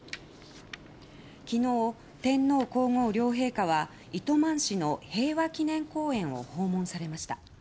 昨日、天皇・皇后両陛下は糸満市の平和祈念公園を訪問されました。